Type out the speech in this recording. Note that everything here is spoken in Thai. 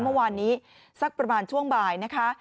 เมื่อวานนี้สักประมาณช่วงบ่ายนะคะ